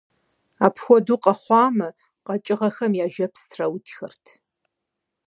Апхуэдэу къэхъуамэ, къэкӀыгъэхэм яжьэпс траутхэрт.